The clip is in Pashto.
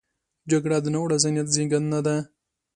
جګړه د ناوړه ذهنیت زیږنده ده